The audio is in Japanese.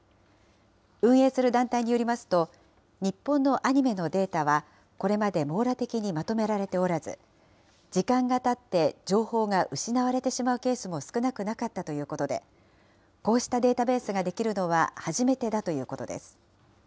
運営する団体によりますと、日本のアニメのデータは、これまで網羅的にまとめられておらず、時間がたって情報が失われてしまうケースも少なくなかったということで、こうしたデータベースができるのは、初めてだということです。